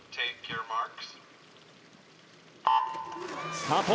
スタート。